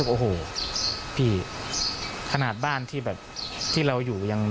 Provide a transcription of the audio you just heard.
โอ้โหพี่ขนาดบ้านที่เราอยู่อย่าง